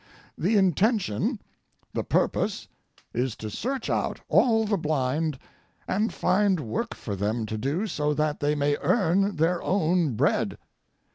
The intention, the purpose, is to search out all the blind and find work for them to do so that they may earn, their own bread.